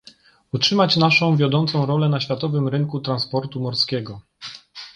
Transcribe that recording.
utrzymać naszą wiodącą rolę na światowym rynku transportu morskiego